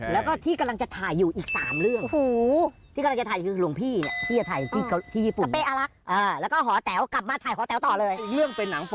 แล้วก็ที่กำลังจะถ่ายอยู่อีก๓เรื่อง